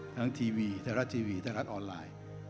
ทีวีไทยรัฐทีวีไทยรัฐออนไลน์